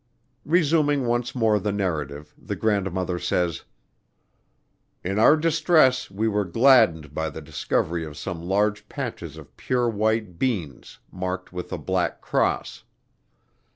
Resuming once more the narrative, the grandmother says: In our distress we were gladdened by the discovery of some large patches of pure white beans, marked with a black cross.